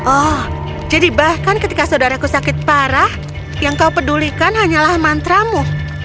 oh jadi bahkan ketika saudaraku sakit parah yang kau pedulikan hanyalah mantramu